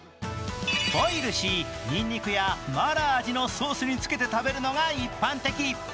ボイルし、にんにくやマーラー味のソースにつけて食べるのが一般的。